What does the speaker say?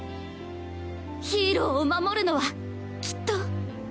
ヒーローを守るのはきっと